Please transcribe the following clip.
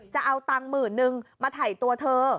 จะเอาตังค์หมื่นนึงมาถ่ายตัวเธอ